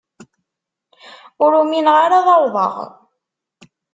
Ur umineɣ ara ad awḍeɣ.